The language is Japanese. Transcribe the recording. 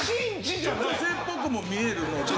女性っぽくも見えるので。